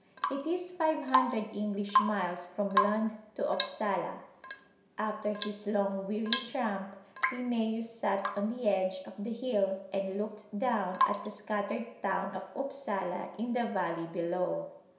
It is five hundred English miles from Lund to Upsala. After his long, weary tramp, Linnæus sat on the edge of the hill and looked down at the scattered town of Upsala in the valley below.